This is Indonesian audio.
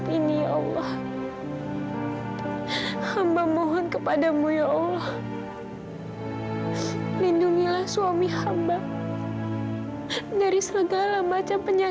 seseorang ini di padangnya